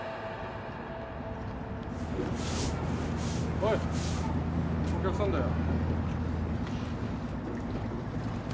・おいお客さんだよ。